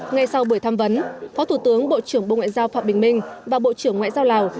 ngay sau buổi tham vấn phó thủ tướng bộ trưởng bộ ngoại giao phạm bình minh và bộ trưởng ngoại giao lào